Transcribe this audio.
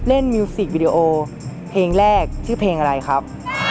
มิวสิกวิดีโอเพลงแรกชื่อเพลงอะไรครับ